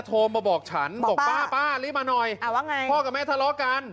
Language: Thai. โทรมาบอกฉันบอกป้าป้ารีบมาหน่อยว่าไงพ่อกับแม่ทะเลาะกัน